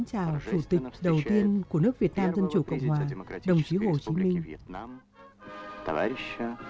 chào chủ tịch đầu tiên của nước việt nam dân chủ cộng hòa đồng chí hồ chí minh